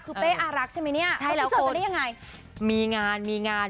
คือเป๊อรักใช่ไหมเนี่ยเขาพิสูจน์ไปได้อย่างไรคุณใช่แล้วคุณ